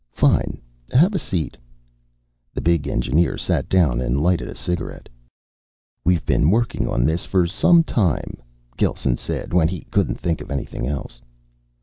"Fine. Have a seat." The big engineer sat down and lighted a cigarette. "We've been working on this for some time," Gelsen said, when he couldn't think of anything else.